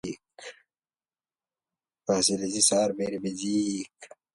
Facilities are very basic.